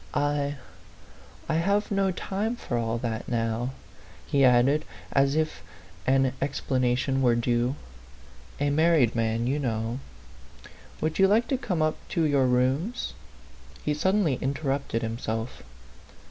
" I I have no time for all that now," he added, as if an ex planation were due. "A married man you know. Would you like to come up to your rooms?" he suddenly interrupted him self.